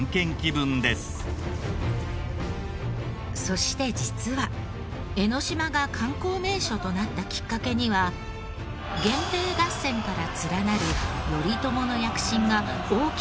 そして実は江の島が観光名所となったきっかけには源平合戦から連なる頼朝の躍進が大きく関係していました。